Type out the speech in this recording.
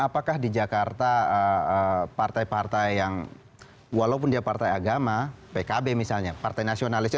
apakah di jakarta partai partai yang walaupun dia partai agama pkb misalnya partai nasionalisnya